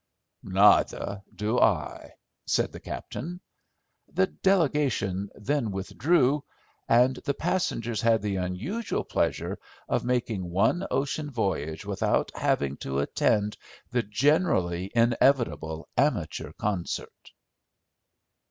"Neither do I," said the captain. The delegation then withdrew; and the passengers had the unusual pleasure of making one ocean voyage without having to attend the generally inevitable amateur concert.